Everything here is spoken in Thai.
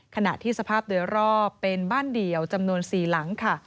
ขณะที่สภาพโดยรอบเป็นบ้านเดี่ยวจำนวน๔หลังค่ะ